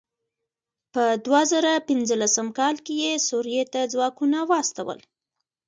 په دوه زره پنځلسم کال کې یې سوريې ته ځواکونه واستول.